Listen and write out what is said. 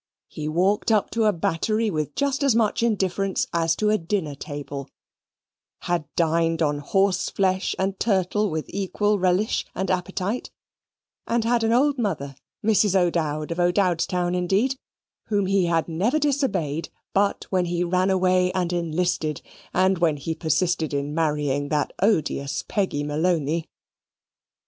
He walked up to a battery with just as much indifference as to a dinner table; had dined on horse flesh and turtle with equal relish and appetite; and had an old mother, Mrs. O'Dowd of O'Dowdstown indeed, whom he had never disobeyed but when he ran away and enlisted, and when he persisted in marrying that odious Peggy Malony.